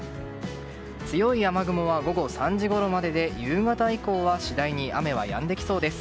強い雨雲は午後３時ごろまでで夕方以降は次第に雨はやんできそうです。